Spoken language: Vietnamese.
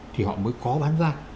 thì họ mới có bán ra